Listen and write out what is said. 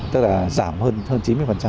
tức là giảm hơn chín mươi